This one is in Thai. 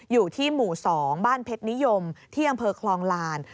อยู่ที่หมู่๒บ้านเพชรนิยมที่อำเภอคลองลาน